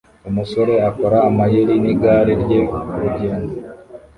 Umusore akora amayeri nigare rye kurugendo